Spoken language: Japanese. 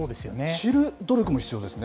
知る努力も必要ですね。